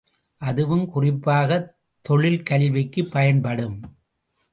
அதுவும் குறிப்பாகத் தொழில் கல்விக்குப் பயன்படும்.